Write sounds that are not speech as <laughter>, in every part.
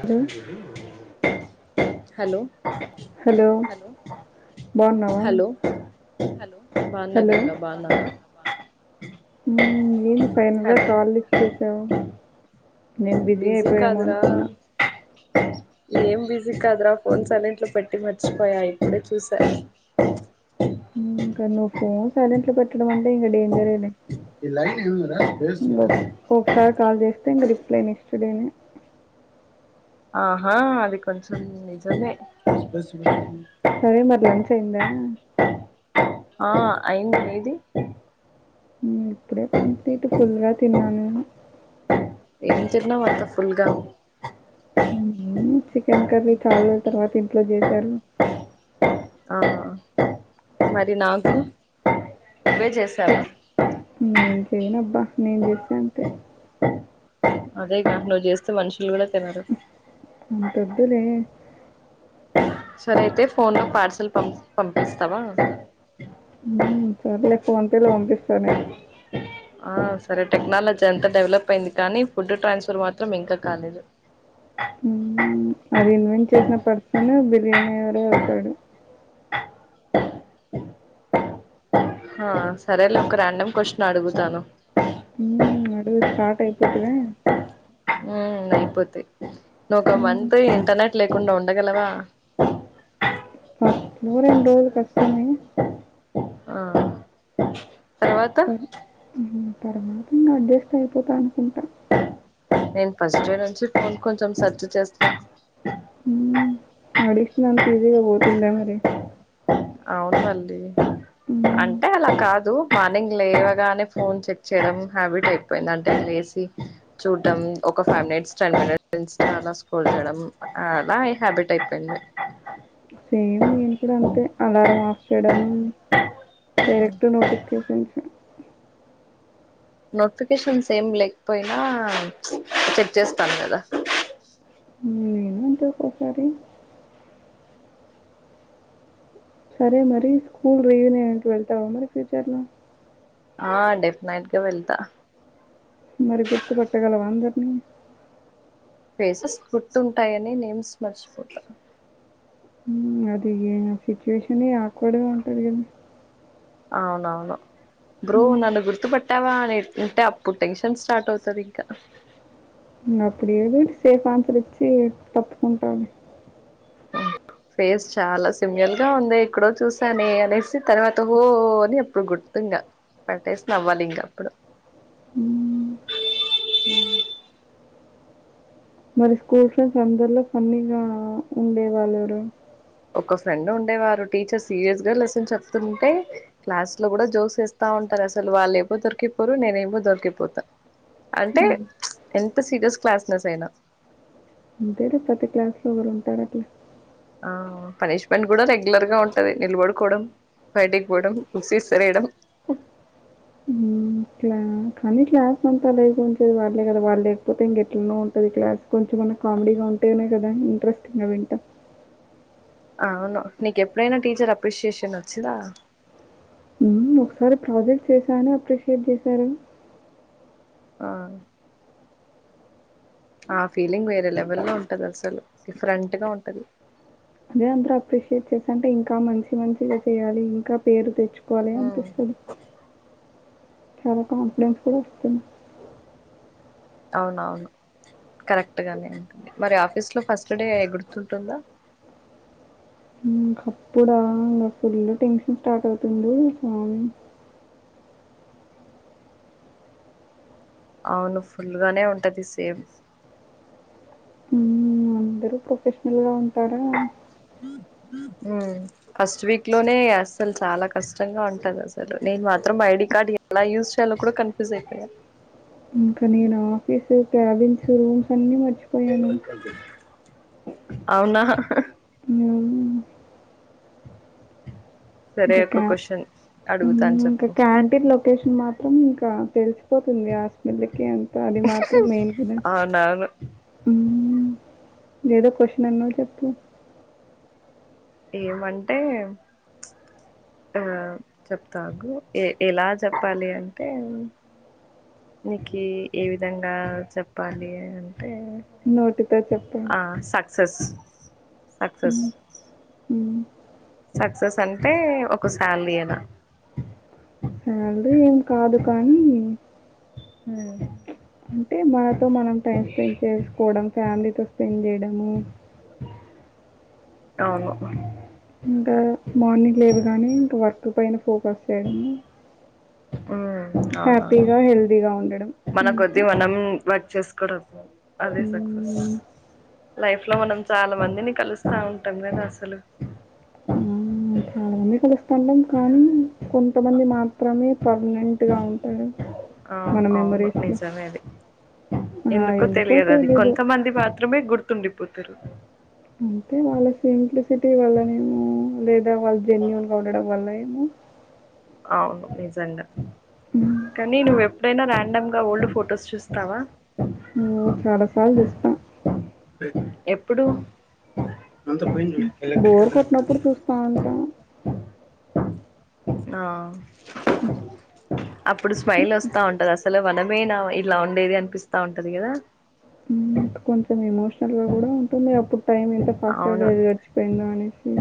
Hello hello hello బాగున్నావా hello బాగున్నా hello Ganga బాగున్నావా <unintelligible> నువ్వే హలో కాల్ లిఫ్ట్ చేశావ్ నేను బిజీ అయిపోయామో అనుకున్నా ఏం బిజీ కాదరా ఫోన్ సైలెంట్ లో పెట్టి మర్చిపోయా ఇప్పుడే చూస ఇంకా నువ్వు ఫోన్ సైలెంట్ లో పెట్టడం అంటే ఇంకా డేంజర్ లే ఈ లయిన్ ఏందిరా. స్పేస్ ఇంక, ఇలా ఒకసారి కాల్ చేస్తే ఇంక రిప్లై ఇస్తాదేమో. ఆహా, అది కొంచం నిజమే. సరే, మరి లంచ్ అయిందా. ఆ, అయింది మీది. ఇప్పుడే కంప్లీట్ ఫుల్గా తిన్నాను ఏం తిన్నావ్ అంతా ఫుల్ గా. చికెన్ కర్రీ చాల రోజుల తర్వాత ఇంట్లో చేసారు ఆ మరి నాకు నువ్వే చేసావ ఓ, నేను చేయనబ్బా నేను చేస్తా అంతె అదే గా నువ్వు చేస్తే మనుషులు కూడా తినరు అంత వద్దులే సరే అయితే ఫోన్ లో పార్సల్ పం పంపిస్తవా సర్లే ఫోన్‌పే లో పంపిస్తానే ఆ సరే టెక్నాలజీ అంత డెవలప్ అయింది కానీ ఫుడ్ ట్రాన్స్ఫర్ మాత్రం ఇంక కాలేదు అది ఇన్వెంట్ చేసిన పర్సన్ బిర్యానీ ఎవరే అవుతాడు ఆ సరేలే ఒక రాండమ్ క్వశ్చన్ అడుగుతాను ఉ అడుగు స్టార్ట్ అయిపోతి వె అయిపోతాయి నువ్వు ఒక హ్మ్. మంత్ ఇంటర్నెట్ లేకుండా ఉండగలవా ఫస్ట్ రెండు కష్టమే ఆ తర్వాత సర తర్వాత ఇంకా అడ్జస్ట్ అయిపోతా అనుకుంటాను నేను ఫస్ట్ డే నుంచి ఫోన్ కొంచెం సెర్చ్ చేస్తా హ అడిక్షష్న్ ఇంత ఈజీగా పోతుందే మరి అవున్ లల్లీ హ్మ్. అంటే అలా కాదు మార్నింగ్ లేవగానే ఫోన్ చెక్ చేయడం హ్యాబిట్ అయిపోయింది అంటే లేసి చూడ్డం ఒక ఫైవ్ మినిట్స్ టెన్ మినిట్స్ నుంచి అలా స్కోల్ చేయడం అలా హ్యాబిట్ అయిపోయింది సేమ్ నేను కూడ అంతే అలారం ఆఫ్ చేయడం డైరెక్ట్ ట్ నోటిఫికేషన్స్ నోటిఫికేషన్స్ ఏం లేకపోయినా చెక్ చేస్తాను కదా ఉమ్ అంటే ఒక్కసారి సరే మరి స్కూల్ రియూన్ అయ ట్వెల్త్ అవ్వ మరి ఫ్యూచర్లో ఆ డెఫినెట్ గా వెళ్తా మరి గుర్తుపట్టగలవా అందరినీ ఫేసెస్ గుర్తుంటాయని నేమ్స్ మర్చిపోతా అది ఆ సిచ్యువేషన్ ఆకూడ ఉంటది కదా అవునవును బ్రో హ్మ్. నన్న గుర్తుపట్ టావా అ అంటే అప్పుడు టెన్షన్ స్టార్ట్ అవుతుంది ఇంకా అప్పుడు ఏదో ఒకటి సేఫ్ ఆన్సర్ ఇచ్చి తప్పుకుంటాాల ఫేస్ చాలా సిమియల్ గా ఉందె ఎక్కడో చూసాను అనేసి తర్వాత హో ఓ అని అప్పుడు గుర్తు ఇంగా అట్టేసి నవ్వాలి ఇంక అప్పుడు హు అ మరి స్కూల్ ఫ్రెండ్స్ అందరిలో ఫన్నీగా ఉండే వాళ్ళు ఎవరు ఒక ఫ్రెండ్ ఉండేవారు టీచర్ సీరియస్ గా లెసన్ చెప్తుంటే క్లాస్ లో కూడ జోక్స్ ఏస్తా ఉంటారు అసలు వాళ్ళు ఏవో దొరికిపోరు నేనేమో దొరికిపోతా అంటే ఎంత సీరియస్ క్లాస్ నెస్ అయినా అంతే ప్రతి క్లాస్ లో ఒగరు ఉంటారు అట్ల ఆ పనిష్మెంట్ కూడా రెగ్యులర్ గా ఉంటది నిలబడుకోవడం బయటికి పోవడం సీస్తరేయడం ఇలా కానీ క్లాస్ అంతా లేక ఉంచేది వాళ్లే కదా వాళ్ళు లేకపోతే ఇంక ఎట్లన ఉంటది క్లాస్ కొంచెంమన్న కామెడీగా ఉంటేనే కదా ఇంట్రెస్టింగ్గ వింటాం అ అవును నీకు ఎప్పుడైనా టీచర్ అప్రిషియేషన్ వచ్చిందా ఒకసారి ప్రాజెక్ట్ చేశాను అప్రిషియేట్ చేశారు ఆ ఆ ఫీలింగ్ వేరే లెవెల్ లో ఉంటది అసలు డిఫరెంట్గా ఉంటది అదే అందరు అప్రిషియేట్ చేశ అంటే ఇంకా మంచి మంచిగా చేయాలి ఇంకా పేరు తెచ్ ఉమ్ <unintelligible> చాల కాన్ఫిడెన్స్ కూడా వస్తుంది అవున అవును కరెక్ట్ గానే ఉంటుంది మరి ఆఫీస్ లో ఫస్ట్ డే గుర్తుంటుంద ఇంకప్పుడా ఇంకా ఫుల్ టెన్షన్ స్టార్ట్ అవుతుందిమి అవును ఫుల్ గానే ఉంటుంది సేమ్ అందరు ప్రొఫెషనల్ గా ఉంటార హు ఫస్ట్ వీక్ లోనే అస్సలు చాలా కష్టంగా ఉంటది అసలు నేను మాత్రం ఐడి కార్డ్ ఎలా యూస్ చేయాలో కూడ కన్ఫ్యూజ్ అయిపోయ ఇంకా నేను ఆఫీసు క్రావిన్స్ రూమ్స్ అన్ని మర్చిపోయాను అవునా ఉ సరే ఇంకా ఒక క్యా క్వశ్చన్ అడుగుతాను ఇంకా చెప్పు క్యాంటీన్ లొకేషన్ మాత్రం ఇంకా తెలిసిపోతుంది ఆ <unintelligible> అంత అది మాత్రం మెయిన్ కదా అవునవును వేరే <unintelligible> ఏమంటే చెప్తా ఆగు ఎ ఎలా చెప్పాలి అంటే నీకు ఏ విధంగా చెప్పాలి అంటే నోటితో ఆ చెప్పాలి. సక్సెస్ సక్సెస్ హ్మ్. హ్మ్. సక్సెస్ అంటే ఒక శాలరీ <unintelligible> <unintelligible> ఏం కాదు కానీ హు అంటే మనతో మనం టైం స్పెండ్ చేసుకోవడం ఫ్యామిలీతో స్పెండ్ చేయడము అవును ఇంకామార్నింగ్ లేవగానే ఇంకా వర్క్ పైన ఫోకస్ చేయడము అవునవును హ్యాపీగా, హెల్తీగా ఉండడం మనకొద్ది అంతే. మనం వర్క్ చేసుకోవడం అదే సక్సెస్ హ్మ్. లైఫ్ లో మనం చాల మందిని కలుస్త ఉంటాం కదా అసలు ఆ చాలా మంది కలుస్తుంటాం కానీ కొంతమంది మాత్రమే పర్మనెంట్ ఆ అవును మెమోరీస్‌లో. నిజమే అది ఆ! ఎందుకో తెలియదు అది తెలీదు. కొంతమంది మాత్రమే గుర్తుండిపోతారు అంటే వాళ్ళ సింప్లిసిటీ వల్లనేమో లేదా వాళ్ళ జెన్యున్గా ఉండడం వల్ల <unintelligible> అవును నిజాంగా హ్మ్. కానీ నువు వే ఎప్పుడైనా ర్యాండమ్గా ఓల్డ్ ఫొటోస్ చూస్తావా ఓ చడసాల జుస్తం ఎప్పుడు బావుంట ఆ అప్పుడు స్మైల్ ఓస్తా ఉంటది అస అసలు వనమేనా ఇట్లా ఉండేది అన్పిస్తా ఉంటది గదా ఊ కొంచం ఎమోషనల్ గా కూడా ఉంటుంది అప్పుడు టైం ఎంత ఫాస్ట్ అవును గా గడిచిపోయిందో అనేసి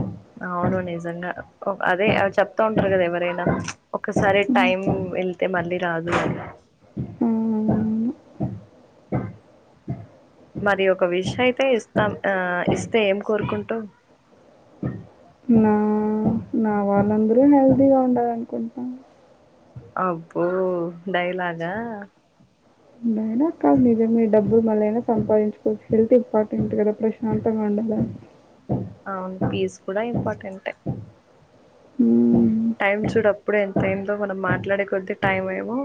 అవును నిజంగా ఒ అదే అ చెప్తా ఉంటారు కదా ఎవరైనా ఒకసారి టైం ఎళ్తే మళ్ళీ రాదు గదా ఆ! అవునవును. మరి ఒ ఒక విష అయితే ఇస్తాం ఆ ఇస్తే ఏం కోరుకుంటవ్ నా నా వాళ్ళందరూ హెల్తీగా ఉండాలి అనుకుంటా అబ్బో డైలాగా డైలాగ్ కాదు నిజమే డబ్బు మళ్ళైనా సంపాదించుకోవచ్చు హెల్త్ ఇంపాటెంట్ కదా ప్రశాంతంగా ఉండదా అవును పీస్ కూడా ఇంపాటెంటే హ్మ్. టైం చూడప్పుడే ఎ బ్రెయిన్ లో మనం మాట్లాడే కొద్ద్దీ టైం ఏమే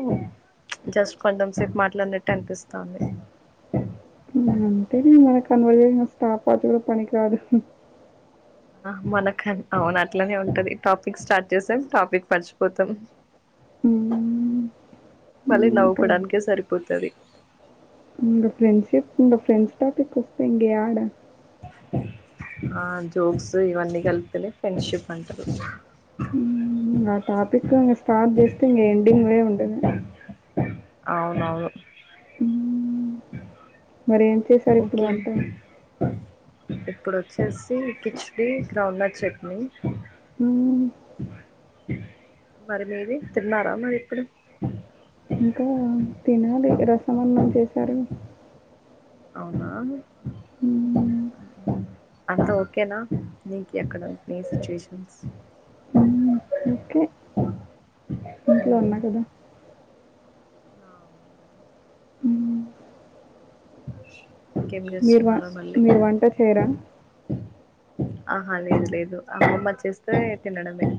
జస్ట్ కొంచం సేపు మాట్లాడినట్టే అన్పిస్తవుంది. ఊమ్ అంతేనే మన కన్వర్జేషన్ స్టాట్ అవుతే పనికి కాదు ఆ మనకు అవును అట్లనే ఉంటది టాపిక్ స్టాట్ జ్సేం టాపిక్ మర్చిపోతాం హ్మ్. మళ్ళీ హ్మ్. ఇంకా నవ్వుకోడానికే సరిపోతది ఇంగ ఫ్రెండ్షిప్ ఇంగ ఫ్రెండ్స్ టాపిక్ వస్తే ఇంగ యాడ ఆ జోక్స్ ఇవన్నీ గల్పితేనే ఫ్రెండ్షిప్ అంటారు ఊ ఆ టాపిక్ ఇంగ స్టార్ట్ జేస్తే ఇంగ ఎండింగ్వే ఉండదు అవునవును ఊ ఓకే ఒకే వంట ఇప్పుడు ఓచ్చేసి కిచిడీ గ్రౌండ్నట్ చట్నీ ఉమ్ మరి మీది తిన్నారా మరి ఇప్పుడు ఇంకా తిన్లే రసం అన్నం చేసారు అవునా ఉ మ్మ్. అంత ఓకేనా నీకి అక్కడ నీ సిట్యుయేషన్సస్ మ్మ్. ఓకే ఇంట్లో ఉన్నా గదా ఆ అవును గదా మ్మ్. ఇంకేం మీరు చేస్తున్నారో వస్ మళ్ళీ మీరు వంట చేయ్ రా ఆహా లేదు లేదు అమ్మమ్మ చేస్తే తినడమే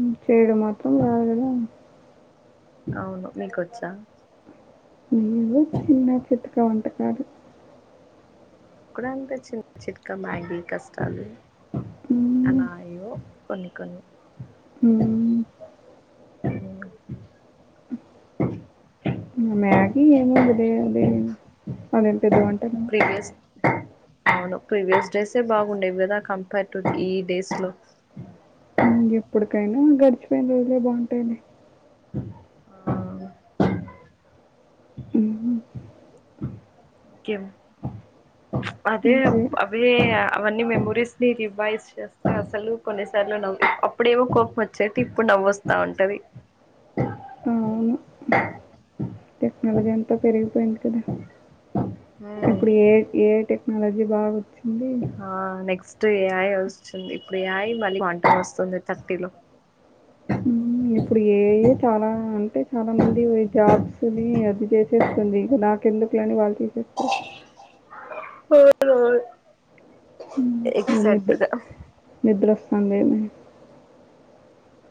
ఉ చేయడం మాత్రం రాదు గనీ అవును నీకొచ్చా ఏవో చిన్న చితక వంటకాలు నాక్ కూడా అన్పించింది చితక మ్యాగీ కష్టాలు మ్మ్. అలా అయ్యో కొన్ని కొన్ని ఊ మ్యాగీ ఏముంది లే అది అదేం పెద్ద వంటనా ప్రీవియస్ అవును ప్రీవియస్ డేసే బాగుండేవి కదా కంపేర్ టు ఈ డేస్ లో హ్మ్ ఎప్పుడుకైనా గడిచిపోయిన రోజులే బాగుంటాయ్ లే ఆ హ్మ్, కేం అదే ఇంకే వే అవన్నీ మెమొరీస్ ని రివైజ్ చేస్తే అసలు కొన్నిసార్లు నవ్వి అప్పుడేమో కోపం వచ్చేటి ఇప్పుడు నవ్వు వస్తా ఉంటది అవును టెక్నాలజీ అంతా పెరిగిపోయింది కదా ఇప్పుడు ఏ ఏఐ టెక్ నాలజీ బాగొచ్చింది ఆ నెక్స్ట్ ఏ ఐ వచ్చింది ఇప్పుడు ఏ ఐ మళ్ళీ క్వాంటమ్ వస్తుంది థర్టీలో హ్మ్ ఇప్పుడు ఏ ఐ చాలా అంటే చాలా మంది జాబ్స్ ని అది చేసే స్తుంది ఇక నాకెందుకులే అని వాళ్ళు తీసేస్తారు అవునవును హ్మ్ ఏం నిద్ గా నిద్ర వస్తుందా ఏమైనా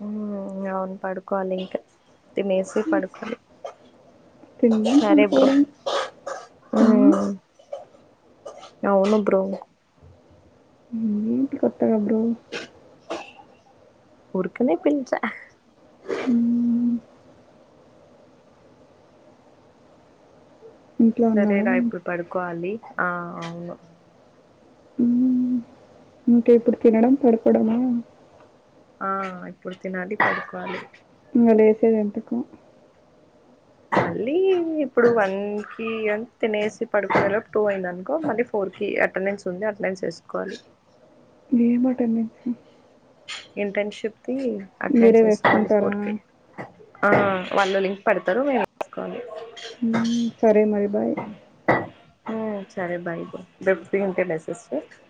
హ్మ్ అవును పడుకోవాలి ఇంకా తినేసి పడుకోవాలి తిందాం సరే బ్రో పడుకోవడం హ్మ్, అవును బ్రో ఏంటి కొత్తగ బ్రో ఉరుకనే పిల్చా హ్మ్ ఇంట్లో సరే ఉన్నావా? రా ఇప్పుడు పడుకోవాలి ఆ అవును హ్మ్ ఇంకా ఇప్పుడు తినడం పడుకోవడమేనా ఆ ఇప్పుడు తినాలి పడుకోవాలి మళ్ళా లేసే ఎంటకో మళ్ళీ ఇప్పుడు వన్ కి తినేసి పడుకునీ టూ అయింది అనుకో మళ్ళీ ఫోర్ కి అటెండెన్స్ ఉంది అటెండెన్స్ వేసుకోవాలి ఏం అటు నుంచి ఇంటర్న్షిప్ కి అటెండ్ మీరే చేసుకోవాలి వేసుకుంటారా? ఫోర్ కే ఆ వాళ్ళు లింక్ పెడతారు నేను తీసుకోవాలి హ్మ్ సరే మరి బాయ్ హ్మ్ సరే బాయ్ బాయ్ <unintelligible>